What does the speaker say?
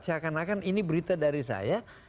seakan akan ini berita dari saya